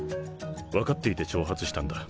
分かっていて挑発したんだ。